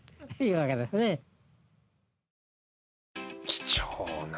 貴重な。